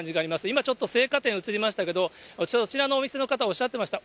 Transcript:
今ちょっと生花店映りましたけど、そちらのお店の方、おっしゃってました。